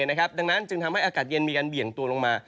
ดังนั้นจึงทำให้อากาศเย็นมีการเบี่ยงตัวลงมา